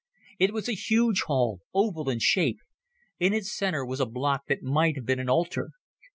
It was a huge hall, oval in shape. In its center was a block that might be an altar.